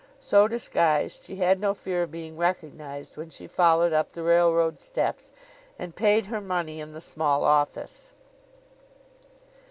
So disguised she had no fear of being recognized when she followed up the railroad steps, and paid her money in the small office.